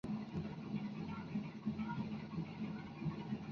Viven en pequeños cursos de agua de clima tropical, de comportamiento bentopelágico.